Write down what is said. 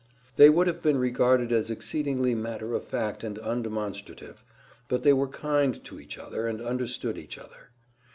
They would have been regarded as exceedingly matter of fact and undemonstrative, but they were kind to each other and understood each other.